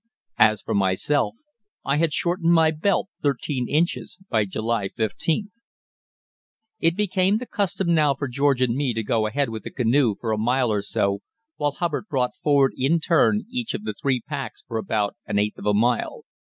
As for myself, I had shortened my belt thirteen inches since July 15th. It became the custom now for George and me to go ahead with the canoe for a mile or so while Hubbard brought forward in turn each of the three packs for about an eighth of a mile.